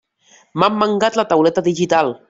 M'han mangat la tauleta digital!